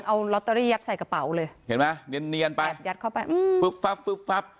เอาโรตเตอรี่ยัดใส่กระเป๋าเลยเห็นมั้ยเนียนไปยัดเข้าไป